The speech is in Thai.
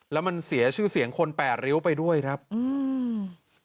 แล้วมันเสียชื่อเสียงคนแปดริ้วไปด้วยครับอืม